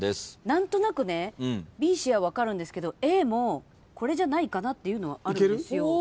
何となくねＢＣは分かるんですけどＡもこれじゃないかっていうのはあるんですよ。